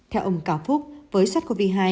theo ông cao phúc với sars cov hai